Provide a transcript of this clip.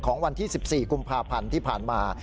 วันที่๑๔กุมภาพันธ์ที่ผ่านมา